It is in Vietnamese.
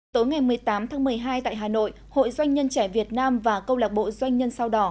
tối ngày một mươi tám tháng một mươi hai tại hà nội hội doanh nhân trẻ việt nam và câu lạc bộ doanh nhân sao đỏ